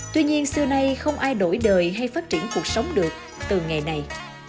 tuy nhiên xưa nay không ai đổi đời hay phát triển cuộc sống được từ nghề này